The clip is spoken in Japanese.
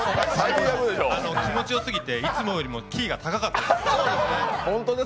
気持ちよすぎていつもよりキーが高かったです。